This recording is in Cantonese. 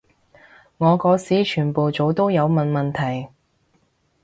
我嗰時全部組都有問問題